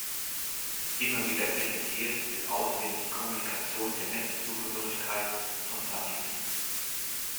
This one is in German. Immer wieder kritisiert wird außerdem die Kommunikation der Netz-Zugehörigkeit von Tarifen.